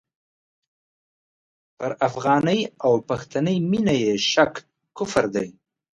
پر افغاني او پښتني مینه یې شک کفر دی.